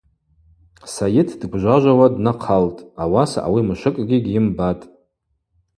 Сайыт дгвжважвауа днахъалтӏ, ауаса ауи мшвыкӏгьи гьйымбатӏ.